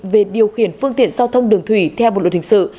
về điều khiển phương tiện giao thông đường thủy theo bộ luật hình sự